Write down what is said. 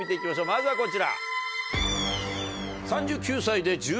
まずはこちら。